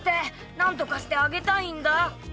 何とかしてあげたいんだ。